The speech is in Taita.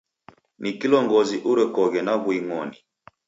Ni kilongozi urekoghe na w'uing'oni.